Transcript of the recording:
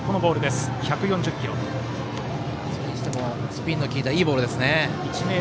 それにしてもスピンの利いたいいボールですね。